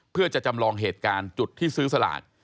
เพื่อจะจำลองเหตุการณ์จุดที่ซื้อสลาก